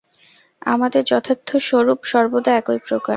আমাদের যথার্থ স্বরূপ সর্বদা একই প্রকার।